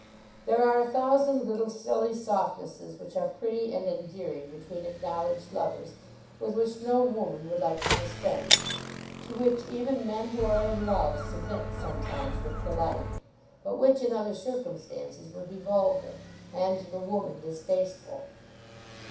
There are a thousand little silly softnesses which are pretty and endearing between acknowledged lovers, with which no woman would like to dispense, to which even men who are in love submit sometimes with delight; but which in other circumstances would be vulgar, and to the woman distasteful.